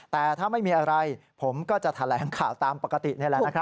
แต่ถ้าไม่มีอะไรผมก็จะแถลงข่าวตามปกตินี่แหละ